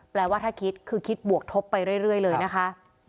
ว่าถ้าคิดคือคิดบวกทบไปเรื่อยเลยนะคะ